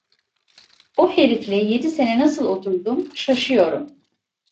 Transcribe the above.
O herifle yedi sene nasıl oturdum, şaşıyorum.